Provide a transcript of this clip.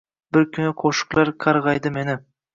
Bir kuni qushiqlar qargaydi meni